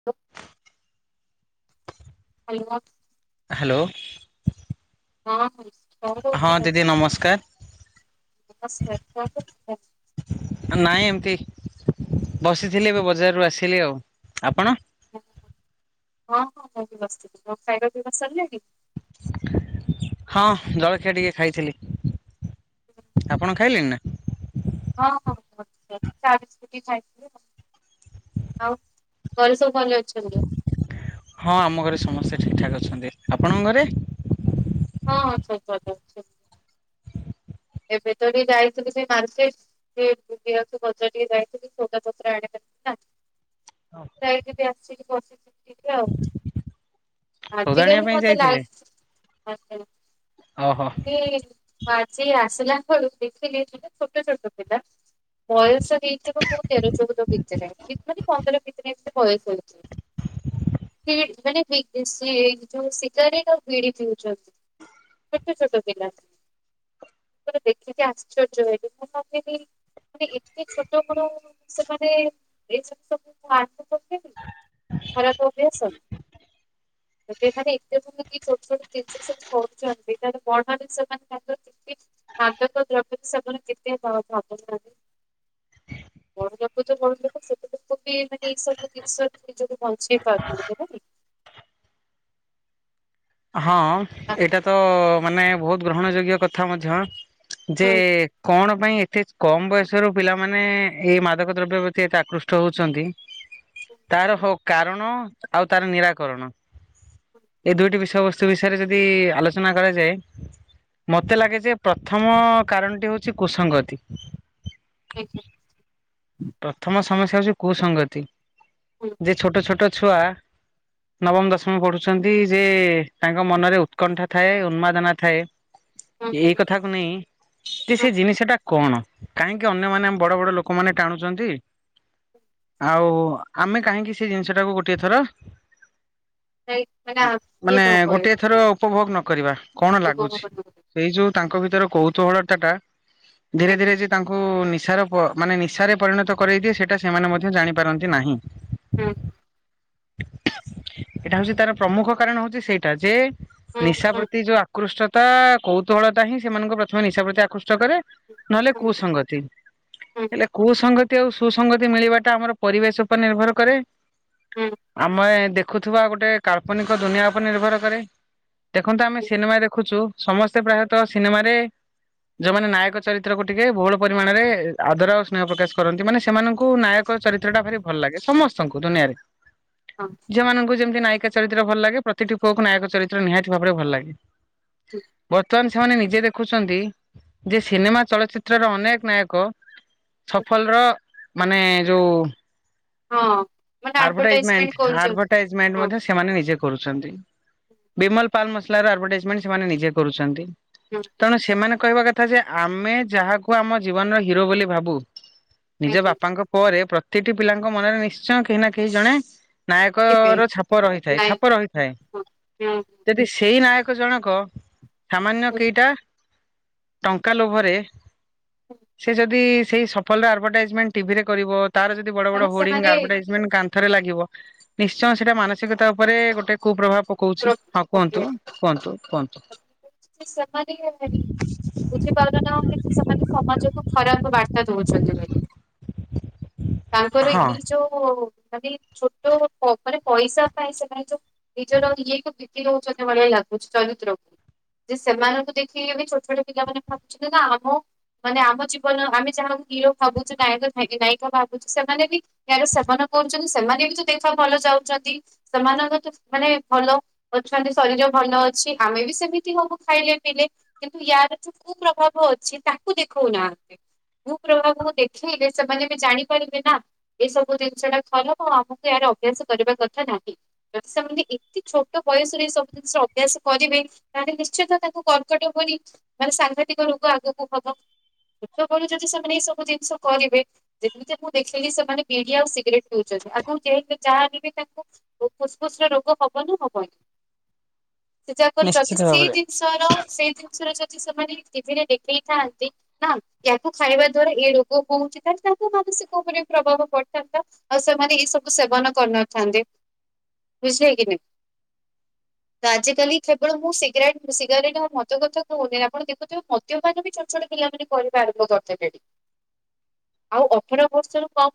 [unintelligible] Hello. Hello. ହଁ କଁ ହଁ କରୁଥିଲ, ଦିଦି ନମସ୍କାର ନମସ୍କାର କଁ କରୁଥିଲ? ନାହିଁ ଏମିତି ବସିଥିଲି ଏବେ ବଜାରରୁ ଆସିଲି ଆଉ ଆପଣ? ହଁ ହଁ ମୁଁ ବି ବସିଥିଲି ତମ ଖାଇବା ପିଇବା ସାରିଲାଣି? ହଁ ଜଳଖିଆ ଟିକେ ଖାଇଥିଲି। ଆପଣ ଖାଇଲେଣି ନା? ହଁ [unintelligible] ଚା ବିସ୍କୁଟ ଖାଇଥିଲି। ଆଉ ଘରେ ସବୁ ଭଲ ଅଛନ୍ତି? ହଁ ଆମ ଘରେ ସମସ୍ତେ ଠିକ ଠାକ୍ ଅଛନ୍ତି, ଆପଣଙ୍କ ଘରେ? ହଁଁ ଠିକ୍ ଠାକ୍ ଅଛି। ଏବେ ତ ଏଇ ଯାଇଥିଲୁ ମାର୍କେଟ। ସେ ବୁଲିଆକୁ ବଜାର ଟିକେ ଯାଇଥିଲି ସୌଦା ପତ୍ର ଆଣିବାକୁ ନା। ହଁ। ଯାଇକି ବି ଆସିକି ବସିଛି। [unintelligible] ଆଉ ସଉଦା ଆଣିବା ଆଜିକାଲି ପାଇଁ ମତେ ଲାଗ ଯାଇଥିଲେ? ଓହୋ ମୁଁ ଆଜି ଆସିଲା [unintelligible] ଦେଖିଲି ଛୋଟ ଛୋଟ ପିଲା। ବୟସ ହେଇଯିବ କୋଉ ତେର ଚଉଦ ଭିତରେ ମାନେ ପନ୍ଦର ଭିତରେ ଏମିତି ବୟସ ହେଇ ମାନେ ଏ ଯୋଉ ଶିଗାରେଟ ଆଉ ପିଡି ପିଉଛନ୍ତି। ଛୋଟ ଛୋଟ ପିଲା। ମାନେ ଦେଖିକି ଆଶ୍ଚର୍ଯ୍ୟ ହେଲି ମୁଁ ଭାବିଲି ମାନେ ଏତେ ଛୋଟ କଣ ସେମାନେ ଏସବୁ ସବୁ [unintelligible] ଖରାପ ଅଭ୍ୟାସ। ତା ମାନେ ଏତେ କି ଛୋଟ ଛୋଟ ଜିନିଷ ସବୁ କରୁଛନ୍ତି ତାହେଲେ ବଡ ହେଲେ ସେମାନେ ତାଙ୍କ [unintelligible] ପଢିବାକୁ ତ [unintelligible] ଲୋକ ବି ମାନେ ଏଇ ସବୁ ଜିନିଷ ନିଜକୁ ବଞ୍ଚେଇ ପାରୁନାହାନ୍ତି ହେଲା ହଁ ଆ ଏଇଟା ତ ମାନେ ବହୁତ ଗ୍ରହଣ ଯୋଗ୍ୟ କଥା ମଧ୍ୟ। ଯେ ହୁଁ କଣ ପାଇଁ ଏତେ କମ ବୟସ ର ପିଲାମାନେ ଏଇ ମାଦକ ଦ୍ରବ୍ୟ ପ୍ରତି ଏତେ ଆକୃଷ୍ଟ ହଉଛନ୍ତି। ହୁଁ ତାର କାରଣ ଆଉ ତାର ନିରାକରଣ ହୁଁ ଏଇ ଦୁଇଟି ବିଷ ବସ୍ତୁ ବିଷୟରେ ଯଦି ଆଲୋଚନା କରାଯାଏ। ମତେ ଲାଗେ ଯେ ପ୍ରଥମ କାରଣଟି ହଉଛି କୁସଙ୍ଗତି। ଆଜ୍ଞା। ପ୍ରଥମ ସମସ୍ୟା ହଉଛି କୁସଙ୍ଗତି ହୁଁ ଯେ ଛୋଟ ଛୋଟ ଛୁଆ ନବମ ଦଶମ ପଢୁଛନ୍ତି ଯେ ତାଙ୍କ ମନରେ ଉତ୍କଣ୍ଠା ଥାଏ ଉନ୍ମାଦନା ଥାଏ। ହୁଁ ଏଇ ହୁଁ କଥାକୁ ନେଇ ଯେ ହୁଁ ସେ ଜିନିଷ ଟା କଣ କାହିଁକି ଅନ୍ୟ ମାନେ ଆମ ବଡ ବଡ ଲୋକମାନେ ଟାଣୁଛନ୍ତି। ଆଉ ଆମେ କାହିଁକି ସେ ଜିନିଷ ଟାକୁ ଗୋଟିଏ ଥର ନାଇଁ ମାନେ ଆ ଇଏ ମାନେ ନ କରେ ଗୋଟିଏ ଥର ଉପଭୋଗ ନକ କରିବା କଣ ଉପଭୋଗ ନ ଲାଗୁଛି କରେ ସେଇ ଯୋଉ ତାଙ୍କ ଭିତରେ କୌତୁହଳତା ଟା ଧୀରେ ଆଜ୍ଞା ଧୀରେ ଯେ ତାଙ୍କୁ ନିଶାର ପ ମାନେ ନିଶାରେ ପରିଣତ କରେଇ ଦିଏ ସେଇଟା ସେମାନେ ମଧ୍ୟ ଜାଣିପାରନ୍ତି ନାହିଁ। ହଁ। ଏଇଟା ହଉଛି ତାର ପ୍ରମୁଖ କାରଣ ହଉଛି ସେଇଟା ଯେ ହୁଁ ନିଶା ହୁଁ ପ୍ରତି ଯୋଉ ଆକୃଷ୍ଟତା କୌତୁହଳ ଟା ହିଁ ସେମାନଙ୍କୁ ପ୍ରଥମେ ନିଶା ପ୍ରତି ଆକୃଷ୍ଟ କରେ। ନହେଲେ ହୁଁ କୁ ସଂଙ୍ଗତି। ହୁଁ ହୁଁ ହେଲେ କୁସଙ୍ଗତି ଆଉ ସୁସଙ୍ଗତି ମିଳିବା ଟା ଆମର ପରିବେଶ ଉପରେ ନିର୍ଭର କରେ। ହୁଁ ହୁଁ, ଆମେ ଦେଖୁଥିବା ଗୋଟେ କାଳ୍ପନିକ ଦୁନିଆ ଉପରେ ନିର୍ଭର କରେ। ଦେଖନ୍ତୁ ଆମେ ସିନେମା ଦେଖୁଛୁ ସମସ୍ତେ ପ୍ରାୟତଃ ସିନେମାରେ ଯୋଉମାନେ ନାୟକ ଚରିତ୍ର କୁ ଟିକେ ବହୁଳ ପରିମାଣରେ ଆଦର ଆ ସ୍ନେହ ପ୍ରକାଶ କରନ୍ତି ମାନେ ସେମାନଙ୍କୁ ନାୟକ ଚରିତ୍ର ଟା ଭାରି ଭଲ ଲାଗେ ସମସ୍ତଙ୍କୁ ଦୁନିଆରେ। ହଁ। ଝିଅମାନଙ୍କୁ ଯେମିତି ନାୟିକା ଚରିତ୍ର ଭଲ ଲାଗେ ପ୍ରତିଟି ପୁଅକୁ ନାୟକ ଚରିତ୍ର ନିହାତି ଭାବରେ ଭଲ ଲାଗେ। ହୁଁ ହୁଁ ବର୍ତ୍ତମାନ ସେମାନେ ନିଜେ ଦେଖୁଛନ୍ତି ଯେ ସିନେମା ଚଳଚିତ୍ରର ଅନେକ ନାୟକ ସଫଲର ମାନେ ଯୋଉ ହଁ। ମାନେ ଆଡ୍ ଭାଟା ଇଜ୍ ଆଡଭଟାଇଜମେଣ୍ଟ ମେଣ୍ଟ କରୁଛନ୍ତି ହଁ। ଆଡଭାଟାଇଜ୍ମେଣ୍ଟ ସେମାନେ ନିଜେ କରୁଛନ୍ତି। ବିମଲ ପାନ୍ ମସଲାର ଆଭଟାଇଜମେଣ୍ଟ ସେମାନେ ନିଜେ କରୁଛନ୍ତି। ହୁଁ ହୁଁ ତେଣୁ ସେମାନେ କହିବା କଥା ଯେ ଆମେ ଯାହାକୁ ଆମ ଜୀବନର ହିରୋ ବୋଲି ଭାବୁ ନିଜ ଆଜ୍ଞା ବାପାଙ୍କ ପରେ ପ୍ରତିଟି ପିଲାଙ୍କ ମନରେ ନିଶ୍ଚୟ କେହି ନା କେହି ଜଣେ ନାୟକ ଥିବେ ର ଛାପ ରହିଥାଏ ନାଇଁ ଛାପ ରହିଥାଏ। ହଁ ହୁଁ ଯଦି ସେଇ ନାୟକ ଜଣକ ସାମାନ୍ୟ ହୁଁ। କେଇଟା ଟଙ୍କା ଲୋଭରେ ହୁଁ, ସେ ଯଦି ସେଇ ସଫଲର ଆଡଭାଟାଇଜମେଣ୍ଟ ଟିଭିରେ କରିବ ତାର ଯଦି ବଡ ମାନେ ବଡ ସେମାନେ ହୋଡିଙ୍ଗ ଆଡ ଭାଟାଇଯମେଣ୍ଟ କାନ୍ଥରେ ଲାଗିବ ନିଶ୍ଚୟ ସେଇଟା ମାନସିକତା ଉପରେ ଗୋଟେ କୁପ୍ରଭାବ ପ ପ୍ର କୋଉଚି ହଁ କୁହନ୍ତୁ ପକେଇବାକୁ କୁହନ୍ତୁ କୁହନ୍ତୁ। ବୁଝିପାରୁନାନ୍ତି କିଛି ସେମାନେ ସମାଜକୁ ଖରାପ ବାର୍ତ୍ତା ଦଉଛନ୍ତି ବୋଲି। ତାଙ୍କର ହଁ ଏଇ ଯୋଉ ଖାଲି ଛୋଟ ଉପରେ ପଇସା ପାଇଁ ସେ ମାନେ ଯୋଉ ନିଜର ଇଏକୁ ବିକି ଦୋଉଛନ୍ତି ଭଳିଆ ଲାଗୁଛି ଚରିତ୍ରକୁ। ଯେ ସେମାନଙ୍କୁ ଦେଖିକି ଏ ବି ଛୋଟ ଛୋଟ ପିଲାମାନେ ଭାବୁଛନ୍ତି ନା ଆମ ମାନେ ଆମ ଜୀବନ ଆମେ ଯାହାକୁ ହିରୋ ଭାବୁଛୁ ନାୟକ ନାୟିକା ଭାବୁଛୁ ସେମାନେ ବି ଆରେ ସେମାନେ କରୁଛନ୍ତି ସେମାନେ ବି ତ ଦେଖ ଭଲ ଚାଉଛନ୍ତି ସେମାନଙ୍କ ତ ମାନେ ଭଲ ଅଛନ୍ତି ଶରୀର ଭଲ ଅଛି ଆମେ ବି ସେମିତି ହବୁ ଖାଇଲେ ପିଇଲେ। କିନ୍ତୁ ୟାର ଯୋଉ କୁ ପ୍ରଭାବ ଅଛି ତାହକୁ ଦେଖଉ ନାହାନ୍ତି। ବୁ ପ୍ରଭାବକୁ ଦେଖେଇଲେ ସେମାନେ ବି ଜାଣିପାରିବେ ନା। ଏସବୁ ଜିନିଷ ଟା ଲ ମୁ ଆମକୁ ଏହାର ଅଭ୍ୟାସ କରିବା କଥା ନାହିଁ, ଯଦି ସେମାନେ ଛୋଟ ବୟସରେ ଏ ସବୁ ଜିନିଷର ଅଭ୍ୟାସ କରିବେ ତାହେଲେ ନିଶ୍ଚିତ ତାଙ୍କୁ କର୍କଟ ପରି ମାନେ ସାଂଘାତିକ ରୋଗ ଆଗକୁ ହବ ଛୋଟବେଳୁ ଯଦି ସେମାନେ ଏଇ ସବୁ ଜିନିଷ କରିବେ ଯେମିତି ଆମକୁ ଦେଖେଇକି ସେମାନେ ବିଡି ଆଉ ସିଗରେଟ ପିଉଛନ୍ତି ଆମକୁ ଯେହେତୁ ଯାହାଲେ ବି ତାଙ୍କୁ ଫୁସଫୁସ ର ରୋଗ ହବନା ହବନି ସେ ଯାକ ନିଶ୍ଚିତ ଯଦି ସେଇ ଭାବରେ ଜିନ ଷ ର ସେଇ ଜିନିଷରେ ଯଦି ସେମାନେ ଟିଭିରେ ଦେଖେଇଥାନ୍ତି ନା ୟାକୁ ଖାଇବା ଦ୍ଵାରା ଏଇ ରୋଗ ହୋଉଚି ତାହେଲେ ତାଙ୍କ ମାନସିକ ଉପରେ ପ୍ରଭାବ ପଡିଥାନ୍ତା। ଆଉ ସେମାନେ ଏଇ ସବୁ ସେବନ କରିନଥାନ୍ତେ ବୁଝିଲେ କି ନାଇ। ତ ଆଜି କାଲି କେବଳ ମୁଁ ସିଗାରେଟ ସିଗାରେଟ ଆଉ ମତ କଥା କହୁନି ଆପଣ ଦେଖୁଥିବେ ମ ଦ୍ୟପାନ ବି ଛୋଟ ଛୋଟ ପିଲାମାନେ କରିବା ଆରମ୍ଭ କରି ଦେଲେଣି ଆଉ ଅଠର ବର୍ଷରୁ କ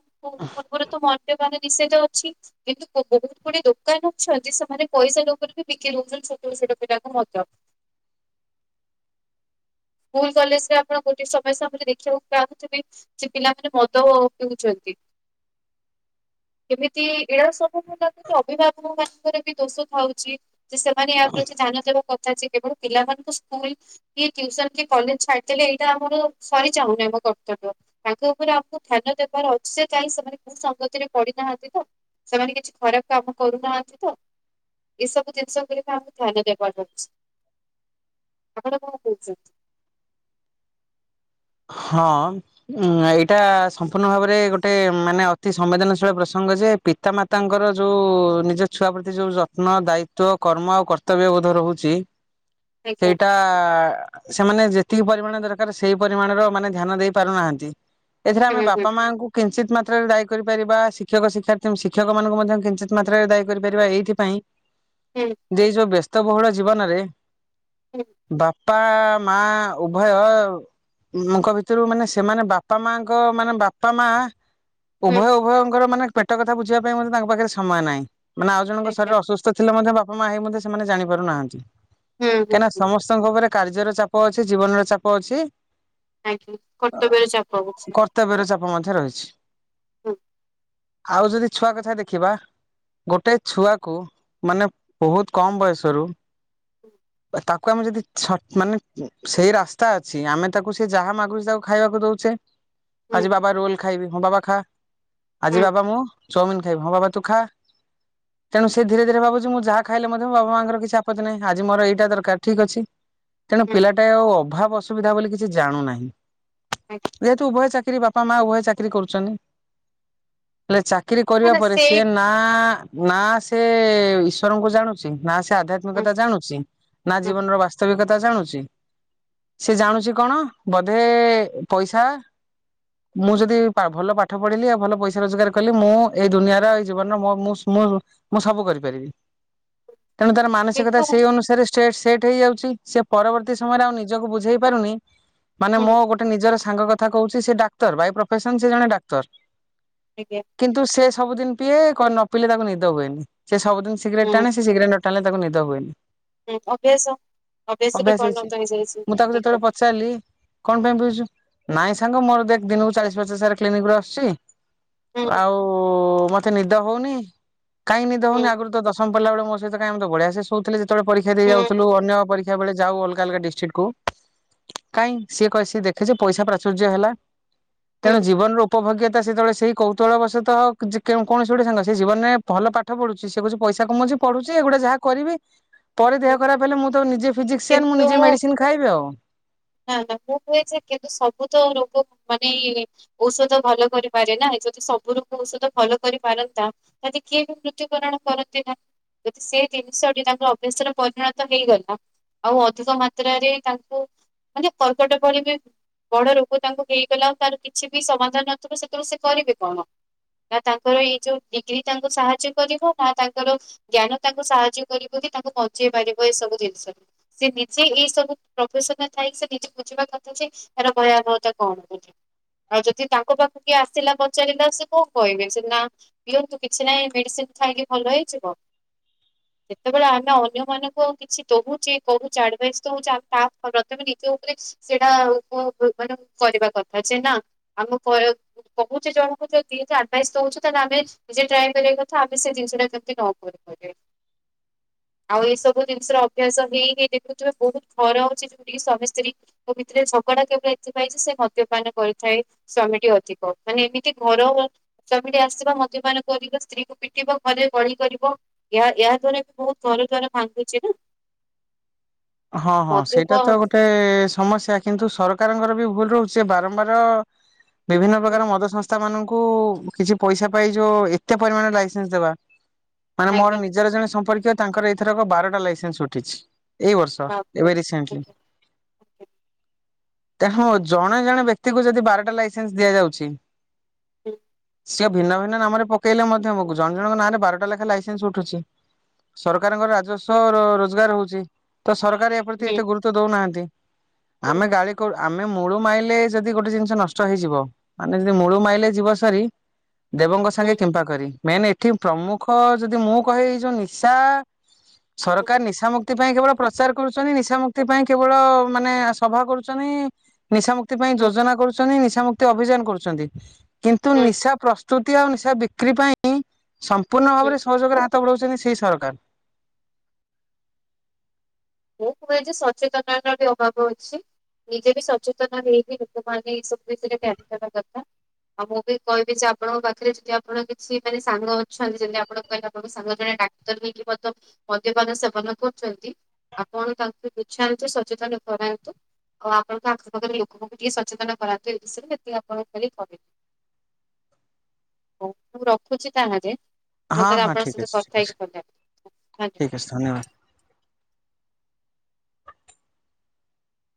ପୂର୍ବରୁ ତ ମଦ୍ୟ ପାନ ନିଷେଧ ଅଛି କିନ୍ତୁ ବହୁତ ଗୁଡେ ଦୋକାନ ଅଛନ୍ତି ସ ମାନେ ପଇସା ଲୋଭ ରେ ବି ବିକ୍ରି ଦଉଛନ୍ତି ଛୋଟ ଛୋଟ ପିଲାକୁ ମଦ। ସ୍କୁଲ କଲେଜ୍ ରେ ଆପଣ ଗୋଟେ ସମସ୍ୟା ଭ ଦେଖିବାକୁ ପାଉଥିବେ। ସେ ପିଲାମାନେ ମଦ ଓ ପିଉଛନ୍ତି। କେମିତି ଏଇଡା ସବୁ ମୁଁ ଲାଗୁଛି ଅଭିଭାବକ ମାନଙ୍କରେ ଦୋଷ ଥାଉଛି ଯେ ସେମାନେ ୟା ପ୍ରତି ଧ୍ୟାନ ଦେବା କଥା ଯେ କେବଳ ପିଲାମାନଙ୍କୁ ସ୍କୁଲ କି ଟ୍ୟୁସନ୍ କି କଲେଜ୍ ଛାଡିଦେଲେ ଏଇଟା ଆମର ସରି ଯାଉନି ଆମ କର୍ତ୍ତବ୍ୟ। ତାଙ୍କ ଉପରେ ଆମକୁ ଧ୍ୟାନ ଦେବାର ଅଛି ଯେ କାହିଁ ସେମାନେ କୋଉ ସଙ୍ଗତିରେ ପଡିିନାହାନ୍ତି ତ। ସେମାନେ କିଛି ଖରାପ୍ କାମ କରୁନାହାନ୍ତି ତ। ଏସବୁ ଜିନିଷ ଉପରେ ତ ଆମକୁ ଧ୍ୟାନ ଦେବା ଯାଉଛି ଆପଣ କଣ କହୁଛନ୍ତି? ହଁ। ଉଁ ଏଇଟା ସମ୍ପୂର୍ଣ୍ଣ ଭାବରେ ଗୋଟେ ମାନେ ଅତି ସମ୍ବେଦନଶୀଳ ପ୍ରସଙ୍ଗ ଯେ ପିତାମାତାଙ୍କର ଯେଉଁ ନିଜ ଛୁଆ ପ୍ରତି ଯେଉଁ ଯତ୍ନ, ଦାୟିତ୍ୱ, କର୍ମ, ଆଉ କର୍ତ୍ତବ୍ୟବୋଧ ରହୁଛି [inaudible] ଏଇଟା ସେମାନେ ଯେତିକି ପରିମାଣ ଦରକାର ସେଇ ପରିମାଣର ମାନେ ଧ୍ୟାନ ଦେଇ ପାରୁନାହାନ୍ତି ଏଥିରେ ଆମେ ହୁଁ ହୁଁ ବାପା ମାଙ୍କୁ କିଞ୍ଚିତ୍ ମାତ୍ରାରେ ଦାୟୀ କରିପାରିବା ଶିକ୍ଷକ ଶିକ୍ଷାର୍ଥୀ ଶିକ୍ଷକ ମାନଙ୍କୁ ମଧ୍ୟ କିଞ୍ଚିତ୍ ମାତ୍ରାରେ ଦାୟୀ କରିପାରିବା ଏଇଥିପାଇଁ ହୁଁ। ଯେ ଏଇ ଯୋଉ ବ୍ୟସ୍ତବହୁଳ ଜୀବନରେ ହୁଁ ବାପା ମା ଉଭୟଙ୍କ ଭିତରୁ ମାନେ ସେମାନେ ବାପା ମାଙ୍କ ମାନେ ବାପା ମା ହୁଁ ଉଭୟ ଉଭୟଙ୍କର ମାନେ ପେଟ କଥା ବୁଝିବା ପାଇଁ ମଧ୍ୟ ତାଙ୍କ ପାଖରେ ସମୟ ନାହିଁ ମାନେ ଆଉ ଜଣଙ୍କ ଶରୀର ଆଜ୍ଞା। ଅସୁସ୍ଥ ଥିଲେ ମଧ୍ୟ ବାପା ମା ହେଇ ମଧ୍ୟ ସେମାନେ ଜାଣିପାରୁନାହାନ୍ତି ହୁଁ ହୁଁ ହୁଁ କାହିଁକିନା ହୁଁ ସମସ୍ତଙ୍କ ଘରେ କାର୍ଯ୍ୟର ଚାପ ଅଛି ଜୀବନର ଚାପ ଅଛି ଆଜ୍ଞା କର୍ତ୍ତବ୍ୟରେ ଚାପ ହଉଛି। କର୍ତ୍ତବ୍ୟ ର ଚାପ ମଧ୍ୟ ରହିଛି ହୁଁ ଆଉ ଯଦି ଛୁଆ କଥା ଦେଖିବା ଗୋଟେ ଛୁଆକୁ ମାନେ ବହୁତ୍ କମ୍ ବୟସରୁ ହୁଁ ତାକୁ ଆମେ ଯଦି ଛ ମାନେ ସେଇ ରାସ୍ତା ଅଛି ଆମେ ତାକୁ ସେ ଯାହା ମାଗୁଛି ତାକୁ ଖାଇବାକୁ ଦଉଚେ ହୁଁ ଆଜି ବାବା ରୋଲ ଖାଇବି ହଁ ବାବା ଖା। ହୁଁ ଆଜି ବାବା ମୁଁ ଚମିନ ଖାଇବି ହଁ ବାବା ତୁ ଖା। [inaudible] ତେଣୁ ସେ ଧୀରେ ଧୀରେ ଭାବୁଚି ମୁଁ ଯାହା ଖାଇଲେ ମଧ୍ୟ ମୋ ବାବା ମାଙ୍କର କିଛି ଆପତ୍ତି ନାହିଁ ଆଜି ମୋର ଏଇଟା ଦରକାର୍ ଠିକ୍ ଅଛି। ତେଣୁ ହୁଁ ପିଲାଟାଏ ଆଉ ଅଭାବ ଅସୁବିଧା ବୋଲି କିଛି ଜାଣୁନାହିଁ ଆଜ୍ଞା। ଯେହେତୁ ଉଭୟ ଚାକିରି ବାପା ମ୍ ମା ଉଭୟ ଚାକିରି କରୁଚନ୍ତି ହେଲେ ଚାକିରି କରିବା ହେଲା ପରେ ସେଇ ସିଏ ନା ନା ସେ ଈଶ୍ୱର ଙ୍କୁ ଜାଣୁଚି ନା ସେ ହୁଁ ଆଧ୍ୟାତ୍ମିକତା ଜାଣୁଚି ନା ହୁଁ ଜୀବନର ବାସ୍ତବିକତା ଜାଣୁଚି ସେ ଜାଣୁଛି କଣ ବଧେ ପଇସା ମୁଁ ଯଦି ପା-ଭଲ ପାଠ ପଢିଲି ଆ ଭଲ ପଇସା ରୋଜଗାର କଲି ମୁଁ ଏଇ ଦୁନିଆର ଏଇ ଜୀବନର ମୁ ମୁଁ ସ୍ ମୁର୍ ମୁଁ ସବୁ କରିପାରିବି। [inaudible] ତେଣୁ ତାର ମାନସିକତା କିନ୍ତୁ ସେଇ ଅନୁସାରେ ଷ୍ଟେଟ୍-ସେଟ୍ ହେଇଯାଉଛି ସେ ପରବର୍ତ୍ତୀ ସମୟରେ ଆଉ ନିଜକୁ ବୁଝେଇ ପାରୁନି ମାନେ ମୋ ହୁଁ ଗୋଟେ ନିଜର ସାଙ୍ଗ କଥା କହୁଛି ସେ ଡାକ୍ତର, ବାଇ ପ୍ରଫେସନ ସେ ଜଣେ ଡାକ୍ତର ଆଜ୍ଞା। କିନ୍ତୁ ସେ ସବୁଦିନ ପିଏ କ ନ ପିଇଲେ ତାକୁ ନିଦ ହୁଏନି ସେ ସବୁଦିନ ସିଗ୍ରେଟ୍ ହୁଁ ଟାଣେ ସେ ସିଗ୍ରେଟ୍ ନଟାଣେ ତାକୁ ନିଦ ହୁଏନି। ହୁଁ ଅଭ୍ୟାସ ଅଭ୍ୟାସରେ ପରିଣତ ହେଇଯାଇଛି ଠିକ୍ ଅ ଚାଲି କଣ ପାଇଁ ପିଉଛୁ ନାଇଁ ସାଙ୍ଗ ମୋର ଦେଖ୍ ଦିନକୁ ଚାଳିଶ ପଚାସ୍ଜର୍ କ୍ଲିନିକ୍ ରୁ ଆସୁଛି ହୁଁ ଆଉ ମତେ ନିଦ ହଉନି କାଇଁ ନିଦ ହୁଁ ହଉନି ଆଗରୁ ତ ଦଶ ଦଶମ ପଢ଼ିବା ବେଳେ ମୋସହିତ କାଇଁ ଇମେତ ଭଢ଼ିଆସେ ହଉଥିଲେ ଯେତେବେଳେ ପରୀକ୍ଷା ଦେଇ ହୁଁ ଯାଉଥିଲ ଅନ୍ୟ ହୁଁ ପରୀା ବେଳେ ଯାଉ ଅଲଗା ଅଲଗା ଡିଷ୍ଟ୍ରିକ୍ କୁ। କାଇହିଁ ସିଏ କ ଦେଖେ ଯେ ପଇସା ପ୍ରାଚୁର୍ଯ୍ୟ ହେଲା ହୁଁ ତେଣୁ ଜୀବନର ଉପଭୋଗ୍ୟତା ସେତେବେଳେ ସେଇ କୌତଳବଶତଃ କୌଣସି ଗୋଟେ ସାଙ୍ଗ ସେ ଜୀବନରେ ଭଲ ପା ପାଠ ପଢୁଛି ସେ କିଛି ପଇସା କମୁଛି ପଢୁଛି ଏଗୁଟା ଯାହା କରିବି ପରେ ଦେହରୁ ଖରାପ ହେଲେ ମୁଁ ତ ନିଜେ ଫିଜିିକସିଆନ୍ ମୁଁ ନିଜେ ମେଡ଼ିସିନ ଖାଇବି ଆଉ। ନା ନା ମୁଁ କୁଏଯେ କିନ୍ତୁ ସବୁତ ରୋଗ ମାନେ ଔଷଧ ଭଲ କରିପାରେନା ଯଦି ସବୁ ରୋଗ ଔଷଧ ଭଲ କରିପାରନ୍ତା ତାହେଲେ କିଏବି ମୃତ୍ୟୁବରଣ କରନ୍ତିନା। ଯଦି ସେ ଜିନିଷଟି ତାଙ୍କର ଅଭ୍ୟାସରେ ପରିଣତ ହେଇଗଲା ଆଉ ଅଧିକ ମାତ୍ରାରେ ତାଙ୍କୁ ମାନେ କର୍କଟ ଭଳିବି ବଡ଼ ରୋଗ ତାଙ୍କୁ ହେଇଗଲା ଆଉ ତାର କିଛିବି ସମାଧାନ ନଥିବ ସେତେବେଳେ ସେକରିବେ କଣ ନା ତାଙ୍କର ଏଇ ଯୋଉ ଡିଗ୍ରୀ ତାଙ୍କୁ ସାହାଯ୍ୟ କରିବ ନା ତାଙ୍କର ଜ୍ଞାନ ତାଙ୍କୁ ସାହାଯ୍ୟ କରିବକି ତାଙ୍କୁ ବଞ୍ଚେଇ ପାରିବ ଏସବୁ ଜିନିଷକୁ। ସେ ନିଜେ ଏଇ ସବୁ ପ୍ରଫେସନରେ ଥାଇ ସେ ନିଜେ ବୁଝିବା କଥାଯେ ଏାର ଭୟାବହତା କଣ ବୋଲି ଆଉ ଯଦି ତାଙ୍କ ପାଖକୁ କିଏ ଆସିଲା ପଚାରିଲା ସେ କଣ କହିବେ ସେ ନା ଦିଅନ୍ତୁ କିଛି ନାହିଁ ମେଡ଼ିସିନ୍ ଖାଇକି ଭଲ ହେଇଯିବ ଯେତେବେଳେ ଆମେ ଅନ୍ୟ ମାନଙ୍କୁ କିଛି ଦହୁଚେ କହୁ ଚଡ଼େବାଇସ୍ ହଉଚି ତା ପ୍ରଥମେ ନିଜ ଉପରେ ସେଇଟା ଆଉ ମାନେ କରିବା କଥା ସିନା ଆମ ପର କହୁଚି ଜଣଙ୍କୁ ଯଦିି ଆଡ଼ଭାଇସ୍ ଦଉଚୁ ତାହେଲେ ଆମେ ନିଜେ ଟ୍ରାଏ କରିବା କଥା, ଆମେ ସେ ଜିନିଷଟା ଯଦି ନ କରିପାରିବା। ଆଉ ଏଇ ସବୁ ଜିନିଷର ଅଭ୍ୟାସହିଁ ଦେଖୁଥିବେ ବହୁତ୍ ଘର ଅଛି ଯୋଉଠିକି ସ୍ଵାମୀ ସ୍ତ୍ରୀ ତାଙ୍କ ଭିତରେ ଝଗଡ଼ା କେବଳ ଏଥିପାଇଁଯେ ସେ ଳମଦ୍ୟପାନ କରିଥାଏ। ସ୍ଵାମୀଟି ଅଧିକ ମାନେ ଏମିତି ଘର ସ୍ଵାମୀଟି ଆସିବ, ମଦବାନ କରିବ, ସ୍ତ୍ରୀକୁ ପିଟିବ, ଘରେ କଳି କରିବ ଏହା ଏହା ଦ୍ଵାରାବି ବହୁତ୍ ଘର ଦ୍ୱାର ଭାଙ୍ଗୁଚିନା। ହଁ ହଁ ମଦ୍ୟପ ସେଇଟାତ ଗୋଟେ ସମସ୍ୟା କିନ୍ତୁ ସରକାରଙ୍କରବି ଭୁଲ ରହୁଚି, ସେ ବାରମ୍ବାର ବିଭିନ୍ନ ହୁଁ ପ୍ରକାର ମଦ ସଂସ୍ଥା ମାନଙ୍କୁ କିଛି ପଇସା ପାଇ ଯୋଉ ଏତେ ପରିମାଣ ଲାଇସେନ୍ସ ଦେବା ମାନେ ମୋର ଆଜ୍ଞା ନିଜର ଜଣେ ହୁଁ ସମ୍ପର୍କୀୟ ତାଙ୍କର ଏଥରକ ବାରଟା ଲାଇସେନ୍ସ ଉଠିଛି ଏଇ ବର୍ଷ ତ ବାପରେ ଏବେ ରିସେଣ୍ଟଲି। ଆଜ୍ଞା [inaudible] ତାହା ଜଣେ ଜଣେ ବ୍ୟକ୍ତିକୁ ଯଦି ବାରଟା ଲାଇସେନ୍ସ ଦିଆଯାଉଚି ହୁଁ। ସିଏ ଭିନ୍ନ ଭିନ୍ନ ନାମରେ ପକେଇଲେ ମଧ୍ୟ ଆମକୁ ଜଣ ଜଣଙ୍କ ନାଁରେ ବାରଟା ଲେଖା ଲସନ୍ସ୍ ଉଠୁଚି। ସରକାରଙ୍କର ରାଜସ୍ୱ ର ରୋଜଗାର ହଉଚି। ତ ସରକାର ଏପ୍ରତି ହୁଁ ଏତେ ଗୁରୁତ୍ୱ ଦଉନାହାନ୍ତି ହୁଁ ଆମେ ଗାଳି କ ଆମେ ମୂଳୁ ମାଇଲେ ଯଦି ଗୋଟେ ଜିନିଷ ନଷ୍ଟ ହେଇଯିବ, ମାନେ ଯଦି ମୂଳୁ ମାଇଲେ ଯିବ ସରି ଦେବଙ୍କ ସାଙ୍ଗେ ହୁଁ କିମ୍ପା କରି ମେନ୍ ଏ ଏଠି ପ୍ରମୁଖ ଯଦି ମୁଁ କହିବି ଏଇ ଯୋଉ ନିଶା ହୁଁ ସରକାର ନିଶ ମୁକ୍ତି ପାଇଁ କେବଳ ପ୍ର ଚାର କରୁଚନ୍ତି, ନିଶା ମୁୁକ୍ତି ପାଇଁ କେବଳ ମାନେ ସଭା କରୁଚନି ନିଶାମୁକ୍ତି ପାଇଁ ହୁଁ ଯୋଜନା କରୁଚନ୍ତି ନିଶ ମୁୁକ୍ତି ଅଭିଯାନ କରୁଚନ୍ତି, କିନ୍ତୁ ହୁଁ ନିଶା ପ୍ର ପ୍ରସ୍ତୁତି ଆଉ ନିଶା ବିକ୍ରି ପାଇଁ ସମ୍ପୂର୍ଣ୍ଣ ହୁଁ। ଭାବରେ ସହଯୋଗର ହାତ ବଢାଉଛନ୍ତି, ସେଇ ସରକାର। ମୁଁ କୁହେ ଯେ ସଚେତନର ବି ଅଭାବ ଅଛି। ନିଜେ ବି ସଚେତନ ହେଇକି ଲୋକ ମାନେ ଏ ସବୁ ବିଷୟରେ। [unintelligible] ଆଉ ମୁଁ ବି କହିବି ଯେ, ଆପଣଙ୍କ ପାଖରେ ଯଦି ଆପଣ କିଛି ମାନେ ସାଙ୍ଗ ଅଛନ୍ତି, ଯଦି ଆପଣ କହିଲେ ଆପଣଙ୍କ ସାଙ୍ଗ ଜଣେ ଡା [unintelligible] ମଦ୍ୟପାନ ସେବନ କରୁଛନ୍ତି। ଆପଣ ତାଙ୍କୁ ବୁଝାନ୍ତୁ, ସଚେତନ କରାନ୍ତୁ। ଆଉ ଆପଣଙ୍କ ଆଖପାଖରେ ଲୋକଙ୍କୁ ଟିକେ ସଚେତନ କରାନ୍ତୁ, ଏ ବିଷୟରେ ଏତିକି ଆପଣ ଖାଲି କହିବେ। ହଉ ମୁଁ ରଖୁଛି ତାହେଲେ, ହଁ ମତେ ହଁ ଆପଣଙ୍କ ଠିକ ସହିତ ଅଛି ଠିକ କଥା ଅଛି ହେଇକି [inaudible] [inaudible]